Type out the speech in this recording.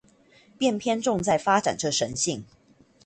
便偏重在發展這神性